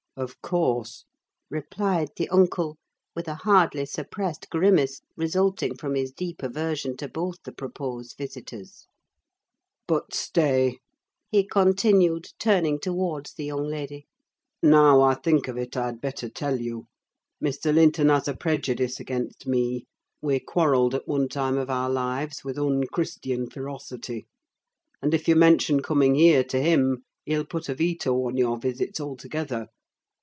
"Of course," replied the uncle, with a hardly suppressed grimace, resulting from his deep aversion to both the proposed visitors. "But stay," he continued, turning towards the young lady. "Now I think of it, I'd better tell you. Mr. Linton has a prejudice against me: we quarrelled at one time of our lives, with unchristian ferocity; and, if you mention coming here to him, he'll put a veto on your visits altogether.